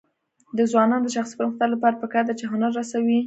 د ځوانانو د شخصي پرمختګ لپاره پکار ده چې هنر رسوي.